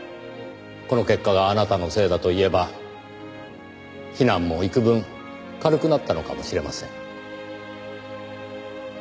この結果があなたのせいだと言えば非難もいくぶん軽くなったのかもしれません。